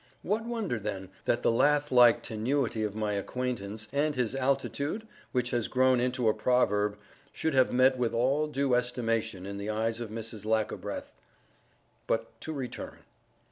What wonder, then, that the lath like tenuity of my acquaintance, and his altitude, which has grown into a proverb, should have met with all due estimation in the eyes of Mrs. Lackobreath. But to return.